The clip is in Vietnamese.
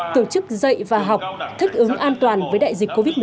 tổ chức dạy và học thích ứng an toàn với đại dịch covid một mươi